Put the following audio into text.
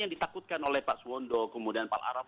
yang ditakutkan oleh pak suwondo kemudian pak araf